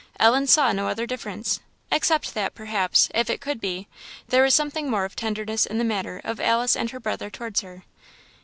Ellen saw no other difference except that, perhaps, if it could be, there was something more of tenderness in the manner of Alice and her brother towards her.